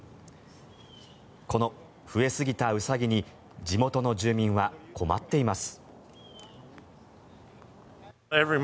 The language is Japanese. この増えすぎたウサギに地元の住民は困っています。